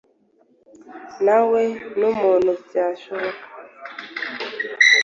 Nawe n’umuntu kubyara byashoboka ko byabaye.